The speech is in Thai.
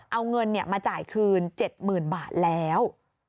เอาเงินมาจ่ายคืน๗๐๐๐บาทแล้ว